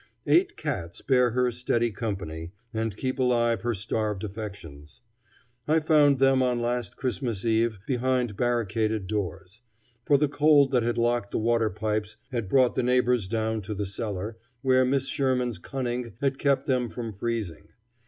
Eight cats bear her steady company, and keep alive her starved affections. I found them on last Christmas eve behind barricaded doors; for the cold that had locked the water pipes had brought the neighbors down to the cellar, where Miss Sherman's cunning had kept them from freezing.